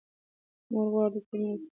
موږ غواړو ټول زده کوونکي لوستي پاتې سي.